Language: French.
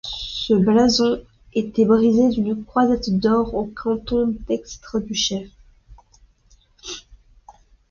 Ce blason est brisé d'une croisette d'or au canton dextre du chef.